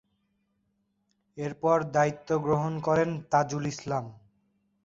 এরপর দায়িত্ব গ্রহণ করেন তাজুল ইসলাম।